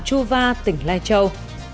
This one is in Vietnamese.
chua va tỉnh lai châu